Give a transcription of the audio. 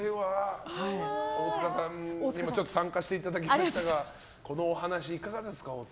大塚さんにも参加していただきましたがこのお話、いかがですか？